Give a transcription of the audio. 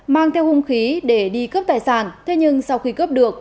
mang theo hung khí để đi cướp tài sản thế nhưng sau khi cướp được